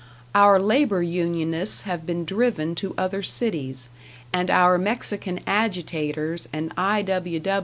Our labor unionists have been driven to other cities, and our Mexican agitators and I.